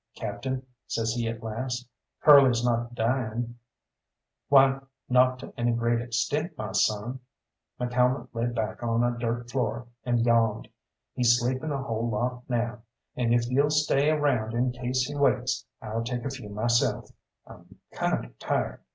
"Captain," says he at last, "Curly's not dying?" "Why, not to any great extent, my son." McCalmont lay back on a dirt floor, and yawned. "He's sleeping a whole lot now, and if you'll stay around in case he wakes, I'll take a few myself; I'm kinder tired."